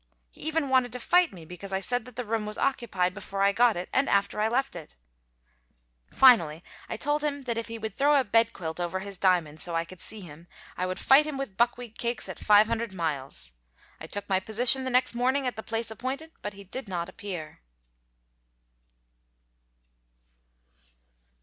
He even wanted to fight me because I said that the room was occupied before I got it and after I left it. Finally, I told him that if he would throw a bed quilt over his diamond, so I could see him, I would fight him with buckwheat cakes at five hundred miles. I took my position the next morning at the place appointed, but he did not appear.